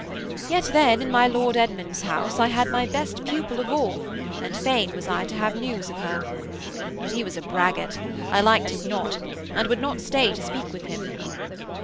'Yet then, in my Lord Edmund's house I had my best pupil of all, and fain was I to have news of her.... But he was a braggart; I liked him not, and would not stay to speak with him.'